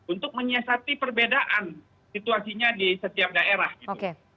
untuk menyiasati perbedaan situasinya di setiap daerah gitu